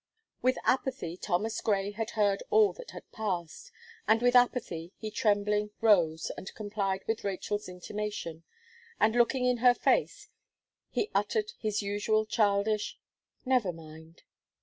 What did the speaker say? With apathy Thomas Gray had heard all that had passed, and with apathy, he trembling rose, and complied with Rachel's intimation, and looking in her face, he uttered his usual childish: "Never mind."